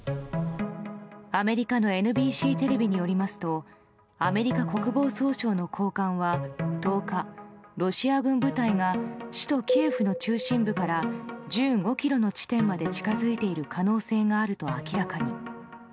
アメリカのＮＢＣテレビによりますとアメリカ国防総省の高官は１０日ロシア軍部隊が首都キエフの中心部から１５ｋｍの地点まで近づいている可能性があると明らかに。